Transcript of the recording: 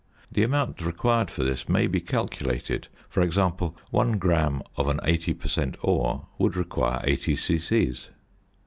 The amount required for this may be calculated: for example, 1 gram of an 80 per cent. ore would require 80 c.c.